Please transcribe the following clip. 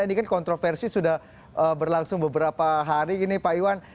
ini kan kontroversi sudah berlangsung beberapa hari ini pak iwan